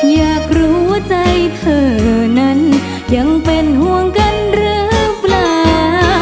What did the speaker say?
อยากรู้ว่าใจเธอนั้นยังเป็นห่วงกันหรือเปล่า